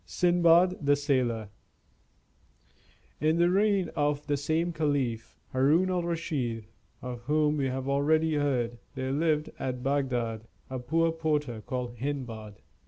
SINDBAD THE SAILOR In the reign of the same caliph, Haroun al Raschid, of whom we have already heard, there lived at Bagdad a poor porter called Hindbad.